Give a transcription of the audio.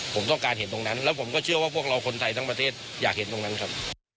ผมต้องการเห็นตรงนั้นแล้วผมก็เชื่อว่าพวกเราคนไทยทั้งประเทศอยากเห็นตรงนั้นครับ